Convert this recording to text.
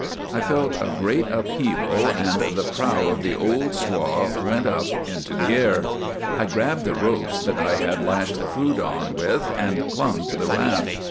' I felt a great upheaval, and the prow of the Old Squaw went up into the air. I grabbed the ropes that I had lashed the food on with and clung to the raft.